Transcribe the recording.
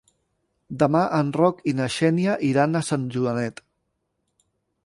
Demà en Roc i na Xènia iran a Sant Joanet.